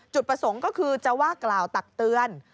จุดประสงค์ก็คือจะว่ากล่าวตักเตือน